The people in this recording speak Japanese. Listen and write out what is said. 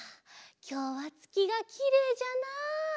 きょうはつきがきれいじゃなあ。